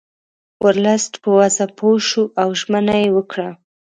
ورلسټ په وضع پوه شو او ژمنه یې وکړه.